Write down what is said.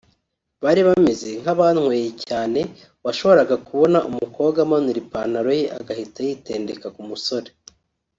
Bari bameze nk’abanyweye cyane…washoboraga kubona umukobwa amanura ipantaro ye agahita yitendeka ku musore